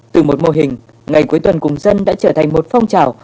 từ một mô hình ngày cuối tuần cùng dân đã trở thành một phong trào